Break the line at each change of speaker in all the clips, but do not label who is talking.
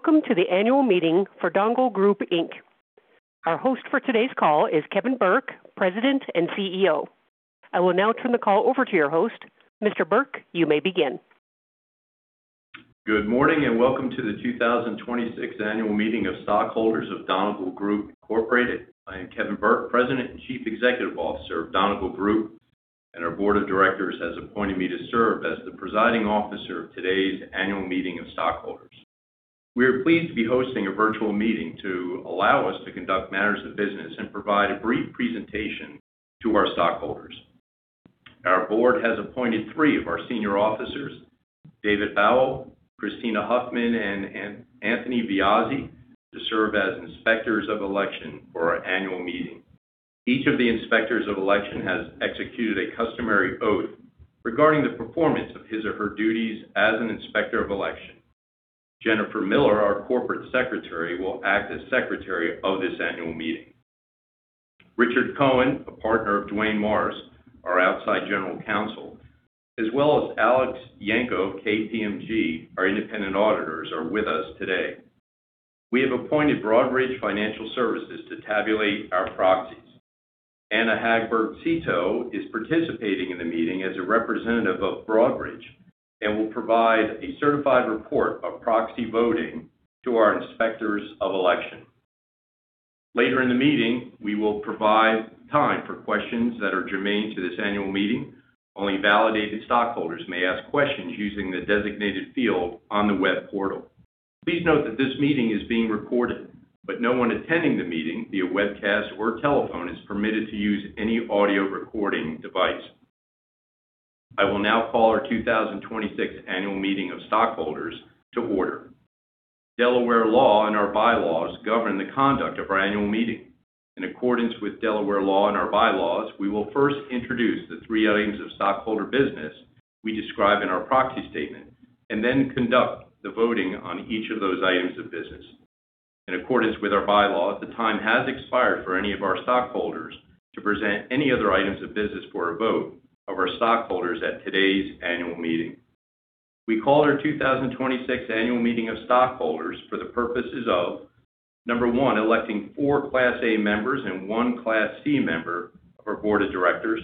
Welcome to the Annual Meeting for Donegal Group Inc. Our host for today's call is Kevin Burke, President and CEO. I will now turn the call over to your host. Mr. Burke, you may begin.
Good morning, and welcome to the 2026 Annual Meeting of Stockholders of Donegal Group Incorporated. I am Kevin Burke, President and Chief Executive Officer of Donegal Group, and our board of directors has appointed me to serve as the presiding officer of today's annual meeting of stockholders. We are pleased to be hosting a virtual meeting to allow us to conduct matters of business, and provide a brief presentation to our stockholders. Our board has appointed three of our senior officers, David Bawel, Christina Hoffman, and Anthony Viozzi, to serve as inspectors of election for our annual meeting. Each of the inspectors of election has executed a customary oath regarding the performance of his or her duties as an inspector of election. Jennifer Miller, our Corporate Secretary will act as secretary of this annual meeting. Richard Cohen, a partner of Duane Morris, our outside general counsel, as well as Alex Yanko of KPMG, our independent auditors, are with us today. We have appointed Broadridge Financial Solutions to tabulate our proxies. [Anna Hagberg-Seto] is participating in the meeting as a representative of Broadridge and will provide a certified report of proxy voting to our inspectors of election. Later in the meeting, we will provide time for questions that are germane to this annual meeting. Only validated stockholders may ask questions using the designated field on the web portal. Please note that this meeting is being recorded, but no one attending the meeting via webcast or telephone is permitted to use any audio recording device. I will now call our 2026 annual meeting of stockholders to order. Delaware law and our bylaws govern the conduct of our annual meeting. In accordance with Delaware law and our bylaws, we will first introduce the three items of stockholder business we describe in our proxy statement, and then conduct the voting on each of those items of business. In accordance with our bylaws, the time has expired for any of our stockholders to present any other items of business for a vote of our stockholders at today's annual meeting. We call our 2026 annual meeting of stockholders for the purposes of, number one, electing four Class A members and one Class C member of our board of directors.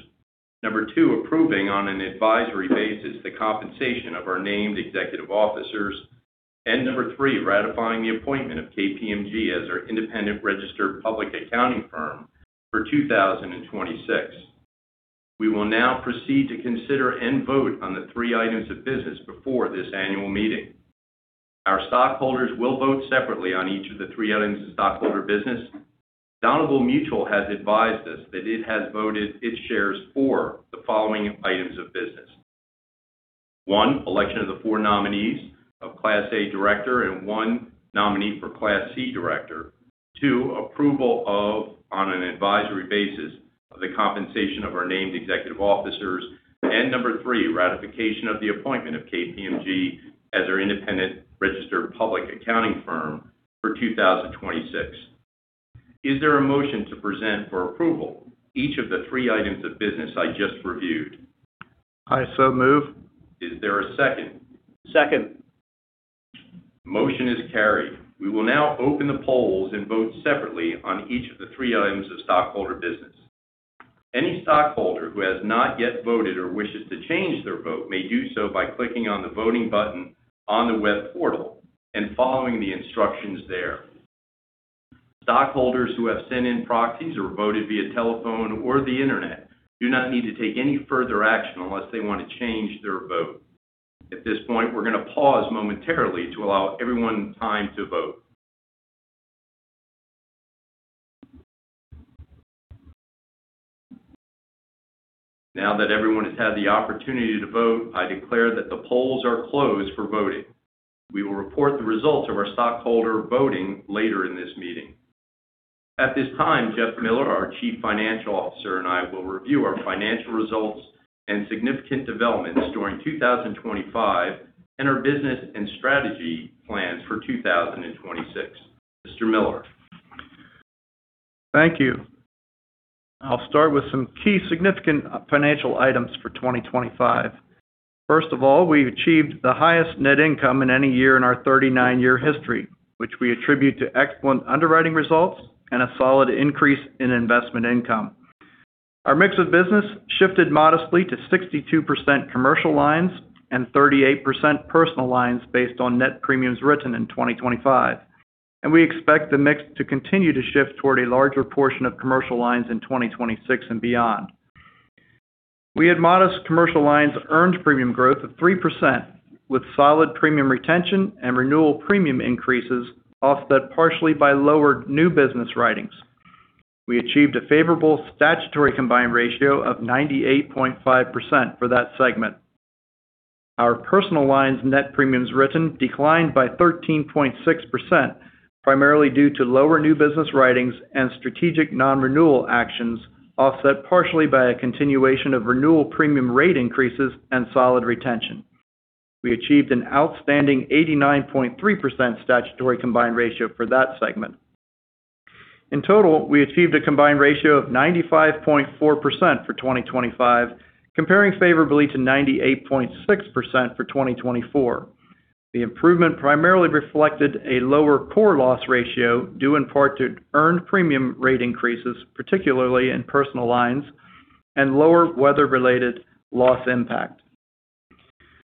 Number two, approving on an advisory basis the compensation of our named executive officers. Number three, ratifying the appointment of KPMG as our independent registered public accounting firm for 2026. We will now proceed to consider and vote on the three items of business before this annual meeting. Our stockholders will vote separately on each of the three items of stockholder business. Donegal Mutual has advised us that it has voted its shares for the following items of business. One, election of the four nominees of Class A director and one nominee for Class C director. Two, approval of, on an advisory basis, the compensation of our named executive officers. Number three, ratification of the appointment of KPMG as our independent registered public accounting firm for 2026. Is there a motion to present for approval each of the three items of business I just reviewed?
I so move.
Is there a second?
Second.
Motion is carried. We will now open the polls and vote separately on each of the three items of stockholder business. Any stockholder who has not yet voted or wishes to change their vote may do so by clicking on the voting button on the web portal, and following the instructions there. Stockholders who have sent in proxies, or voted via telephone or the internet do not need to take any further action unless they want to change their vote. At this point, we're going to pause momentarily to allow everyone time to vote. Now that everyone has had the opportunity to vote, I declare that the polls are closed for voting. We will report the results of our stockholder voting later in this meeting. At this time, Jeff Miller, our Chief Financial Officer, and I will review our financial results and significant developments during 2025, and our business and strategy plans for 2026. Mr. Miller.
Thank you. I'll start with some key significant financial items for 2025. First of all, we've achieved the highest net income in any year in our 39-year history, which we attribute to excellent underwriting results and a solid increase in investment income. Our mix of business shifted modestly to 62% commercial lines and 38% personal lines based on net premiums written in 2025, and we expect the mix to continue to shift toward a larger portion of commercial lines in 2026 and beyond. We had modest commercial lines earned premium growth of 3%, with solid premium retention and renewal premium increases, offset partially by lower new business writings. We achieved a favorable statutory combined ratio of 98.5% for that segment. Our personal lines net premiums written declined by 13.6%, primarily due to lower new business writings and strategic non-renewal actions, offset partially by a continuation of renewal premium rate increases and solid retention. We achieved an outstanding 89.3% statutory combined ratio for that segment. In total, we achieved a combined ratio of 95.4% for 2025, comparing favorably to 98.6% for 2024. The improvement primarily reflected a lower core loss ratio, due in part to earned premium rate increases, particularly in personal lines, and lower weather-related loss impact.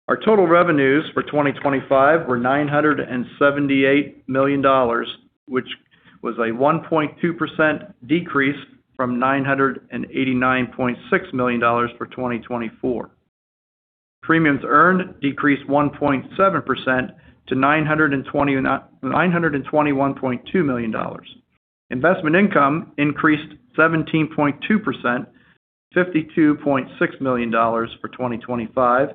Our total revenues for 2025 were $978 million, which was a 1.2% decrease from $989.6 million for 2024. Premiums earned decreased 1.7% to $921.2 million. Investment income increased 17.2% to $52.6 million for 2025,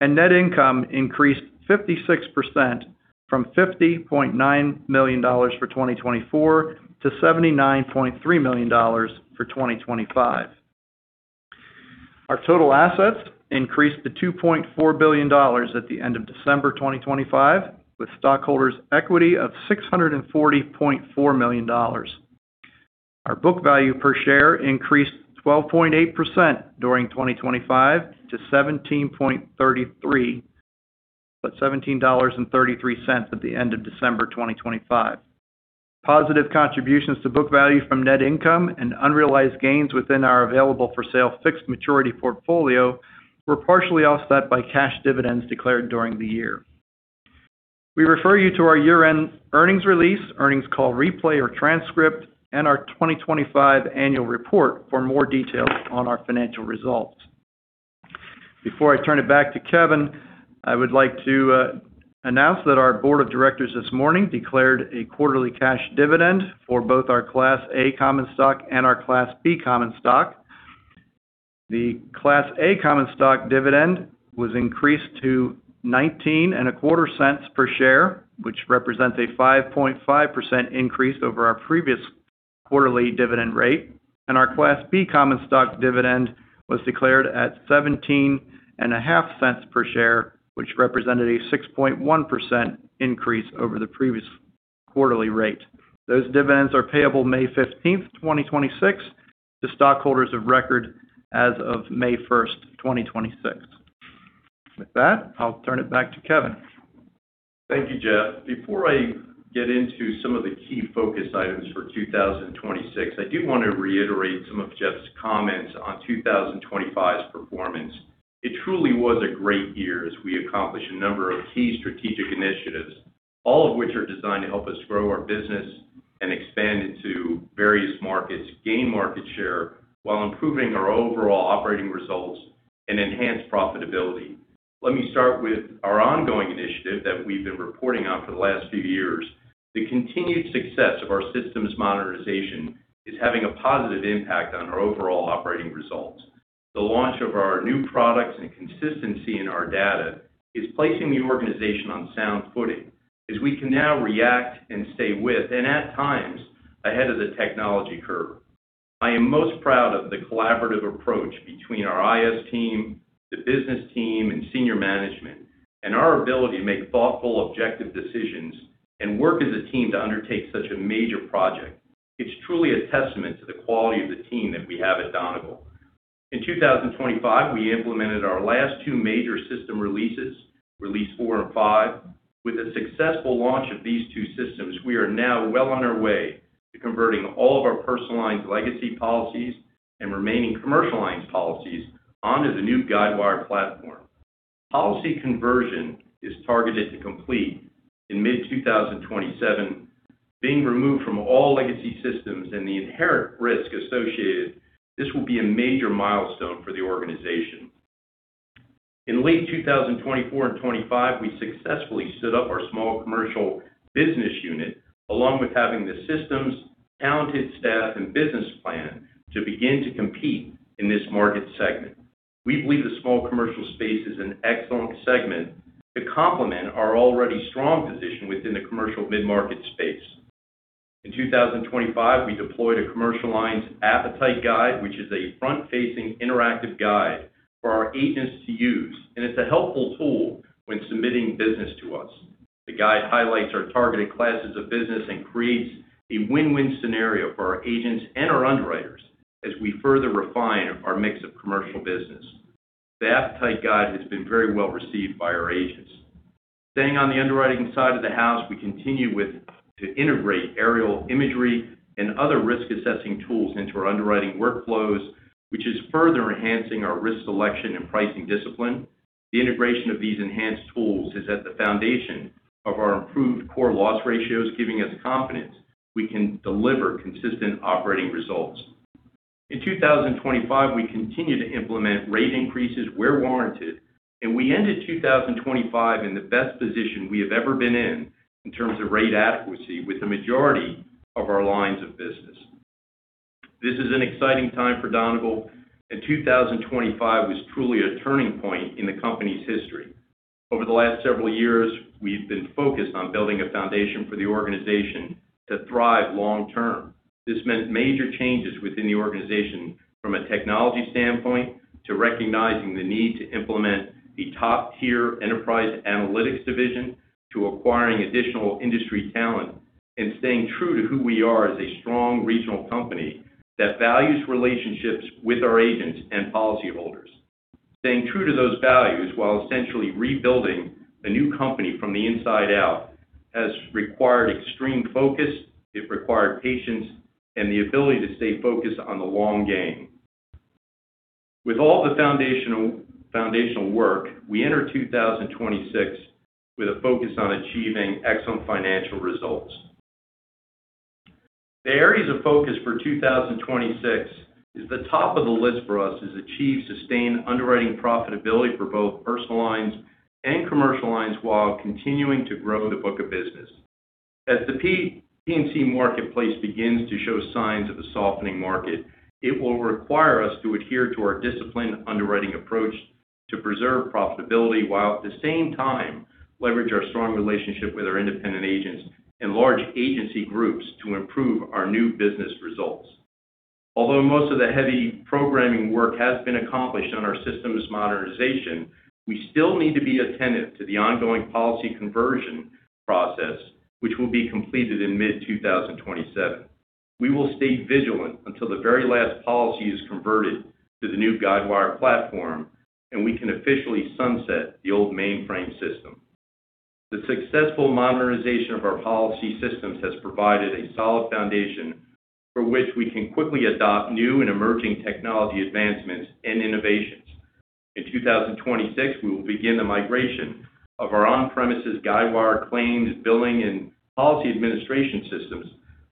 and net income increased 56%, from $50.9 million for 2024 to $79.3 million for 2025. Our total assets increased to $2.4 billion at the end of December 2025, with stockholders' equity of $640.4 million. Our book value per share increased 12.8% during 2025 to $17.33 at the end of December 2025. Positive contributions to book value from net income, and unrealized gains within our available-for-sale fixed maturity portfolio were partially offset by cash dividends declared during the year. We refer you to our year-end earnings release, earnings call replay or transcript, and our 2025 annual report for more details on our financial results. Before I turn it back to Kevin, I would like to announce that our board of directors this morning declared a quarterly cash dividend for both our Class A common stock and our Class B common stock. The Class A common stock dividend was increased to $0.1925 per share, which represents a 5.5% increase over our previous quarterly dividend rate. Our Class B common stock dividend was declared at $0.1750 per share, which represented a 6.1% increase over the previous quarterly rate. Those dividends are payable May 15th, 2026, to stockholders of record as of May 1st, 2026. With that, I'll turn it back to Kevin.
Thank you, Jeff. Before I get into some of the key focus items for 2026, I do want to reiterate some of Jeff's comments on 2025's performance. It truly was a great year as we accomplished a number of key strategic initiatives, all of which are designed to help us grow our business and expand into various markets, gain market share while improving our overall operating results and enhance profitability. Let me start with our ongoing initiative that we've been reporting on for the last few years. The continued success of our systems modernization is having a positive impact on our overall operating results. The launch of our new products and consistency in our data is placing the organization on sound footing as we can now react and stay with, and at times, ahead of the technology curve. I am most proud of the collaborative approach between our IS team, the business team, and senior management, and our ability to make thoughtful, objective decisions and work as a team to undertake such a major project. It's truly a testament to the quality of the team that we have at Donegal. In 2025, we implemented our last two major system releases, release 4 and 5. With the successful launch of these two systems, we are now well on our way to converting all of our personal lines legacy policies and remaining commercial lines policies onto the new Guidewire platform. Policy conversion is targeted to complete in mid-2027. Being removed from all legacy systems and the inherent risk associated, this will be a major milestone for the organization. In late 2024 and 2025, we successfully stood up our small commercial business unit, along with having the systems, talented staff, and business plan to begin to compete in this market segment. We believe the small commercial space is an excellent segment to complement our already strong position within the commercial mid-market space. In 2025, we deployed a commercial lines appetite guide, which is a front-facing interactive guide for our agents to use, and it's a helpful tool when submitting business to us. The guide highlights our targeted classes of business and creates a win-win scenario for our agents and our underwriters as we further refine our mix of commercial business. The appetite guide has been very well received by our agents. Staying on the underwriting side of the house, we continue to integrate aerial imagery and other risk-assessing tools into our underwriting workflows, which is further enhancing our risk selection and pricing discipline. The integration of these enhanced tools is at the foundation of our improved core loss ratios, giving us confidence we can deliver consistent operating results. In 2025, we continued to implement rate increases where warranted, and we ended 2025 in the best position we have ever been in terms of rate adequacy with the majority of our lines of business. This is an exciting time for Donegal, and 2025 was truly a turning point in the company's history. Over the last several years, we've been focused on building a foundation for the organization to thrive long-term. This meant major changes within the organization, from a technology standpoint, to recognizing the need to implement a top-tier enterprise analytics division, to acquiring additional industry talent and staying true to who we are as a strong regional company that values relationships with our agents and policyholders. Staying true to those values while essentially rebuilding a new company from the inside out has required extreme focus. It required patience and the ability to stay focused on the long game. With all the foundational work, we enter 2026 with a focus on achieving excellent financial results. The areas of focus for 2026, the top of the list for us, is to achieve sustained underwriting profitability for both personal lines and commercial lines, while continuing to grow the book of business. As the P&C marketplace begins to show signs of a softening market, it will require us to adhere to our disciplined underwriting approach to preserve profitability, while at the same time leverage our strong relationship with our independent agents and large agency groups to improve our new business results. Although most of the heavy programming work has been accomplished on our systems modernization, we still need to be attentive to the ongoing policy conversion process, which will be completed in mid-2027. We will stay vigilant until the very last policy is converted to the new Guidewire platform, and we can officially sunset the old mainframe system. The successful modernization of our policy systems has provided a solid foundation, for which we can quickly adopt new and emerging technology advancements and innovations. In 2026, we will begin the migration of our on-premises Guidewire claims, billing, and policy administration systems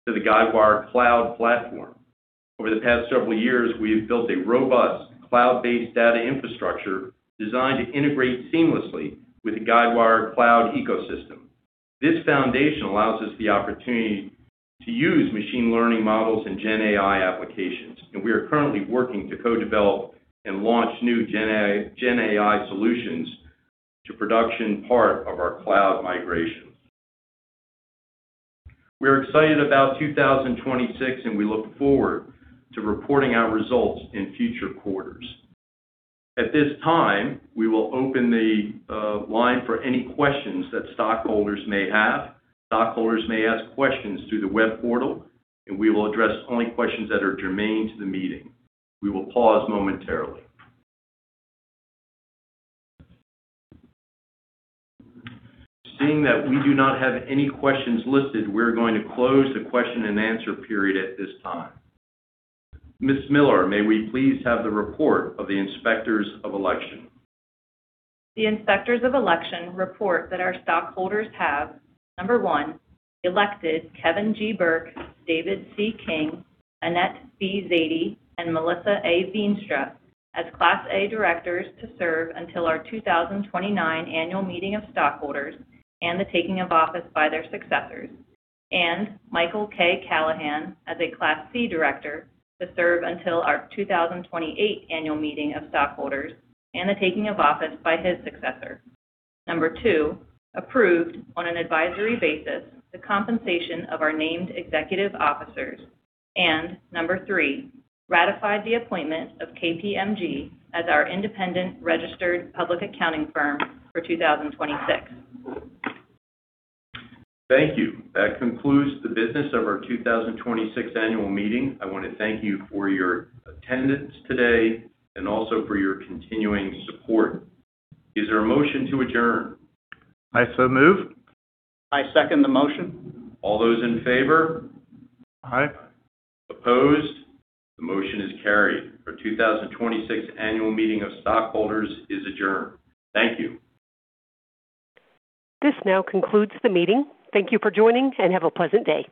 to the Guidewire Cloud platform. Over the past several years, we have built a robust, cloud-based data infrastructure designed to integrate seamlessly with the Guidewire Cloud ecosystem. This foundation allows us the opportunity to use machine learning models and GenAI applications, and we are currently working to co-develop and launch new GenAI solutions to production part of our cloud migration. We are excited about 2026, and we look forward to reporting our results in future quarters. At this time, we will open the line for any questions that stockholders may have. Stockholders may ask questions through the web portal, and we will address only questions that are germane to the meeting. We will pause momentarily. Seeing that we do not have any questions listed, we're going to close the question and answer period at this time. Ms. Miller, may we please have the report of the Inspectors of Election?
The Inspectors of Election report that our stockholders have, number one, elected, Kevin G. Burke, David C. King, Annette B. Szady, and Melissa A. Veenstra as Class A directors to serve until our 2029 annual meeting of stockholders, and the taking of office by their successors. Michael K. Callahan as a Class C director to serve until our 2028 annual meeting of stockholders and the taking of office by his successor. Number two, approved on an advisory basis, the compensation of our named executive officers. Number three, ratified the appointment of KPMG as our independent registered public accounting firm for 2026.
Thank you. That concludes the business of our 2026 annual meeting. I want to thank you for your attendance today and also for your continuing support. Is there a motion to adjourn?
I so move.
I second the motion.
All those in favor?
Aye.
Opposed? The motion is carried. Our 2026 annual meeting of stockholders is adjourned. Thank you.
This now concludes the meeting. Thank you for joining, and have a pleasant day.